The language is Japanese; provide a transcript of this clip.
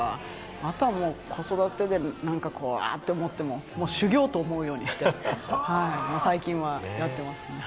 あとは子育てでと思っても修行と思うようにして、最近はやってますね。